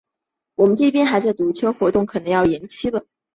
我们这边还在堵车，活动可能要延期了。